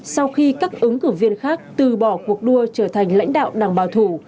sau khi các ứng cử viên khác từ bỏ cuộc đua trở thành lãnh đạo đảng bảo thủ